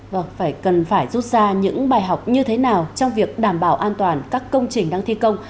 và cần phải rút ra những bài học như thế nào trong việc đảm bảo an toàn các công trình đang thi công